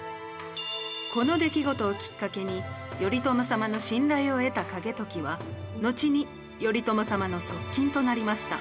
この出来事をきっかけに頼朝様の信頼を得た景時はのちに頼朝様の側近となりました。